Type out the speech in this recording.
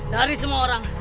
dari semua orang